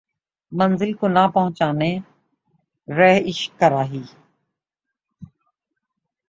منزل کو نہ پہچانے رہ عشق کا راہی